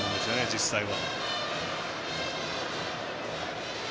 実際は。